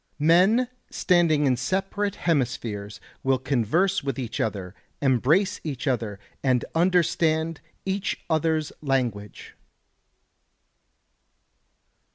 Men standing in separate hemispheres will converse with each other, embrace each other, and understand each other's language.